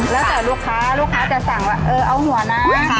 แล้วแต่ลูกค้าลูกค้าจะสั่งเอาหัวหน้า